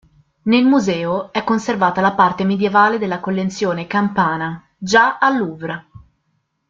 Nel museo è conservata la parte medievale della collezione Campana, già al Louvre.